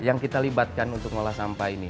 yang kita libatkan untuk mengolah sampah ini